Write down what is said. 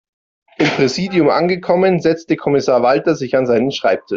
Im Präsidium angekommen, setzte Kommissar Walter sich an seinen Schreibtisch.